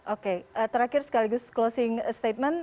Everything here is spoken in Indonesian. oke terakhir sekaligus closing statement